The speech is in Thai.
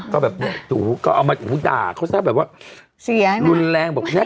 ก็โดดอุ้ดฎ่าเขาเรียกว่ารุนแรง